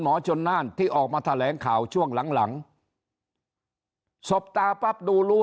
ชนน่านที่ออกมาแถลงข่าวช่วงหลังหลังสบตาปั๊บดูรู้